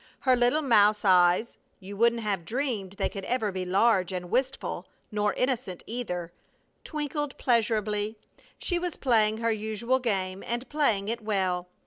Her little mouse eyes you wouldn't have dreamed they could ever be large and wistful, nor innocent, either twinkled pleasurably. She was playing her usual game and playing it well.